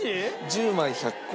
１０万１００個。